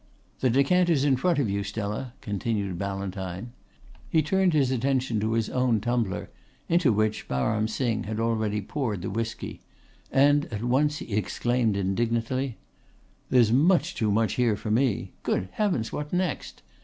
"The decanter's in front of you, Stella," continued Ballantyne. He turned his attention to his own tumbler, into which Baram Singh had already poured the whisky; and at once he exclaimed indignantly: "There's much too much here for me! Good heavens, what next!"